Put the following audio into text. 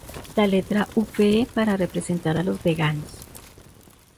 La letra V para representar a los veganos.